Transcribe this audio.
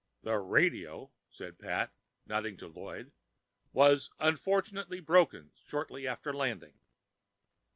"The radio," said Pat, nodding to Lloyd, "was unfortunately broken shortly after landing."